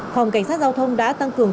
phòng cảnh sát giao thông đã tăng cường